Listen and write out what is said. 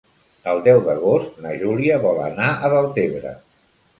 El deu d'agost na Júlia vol anar a Deltebre.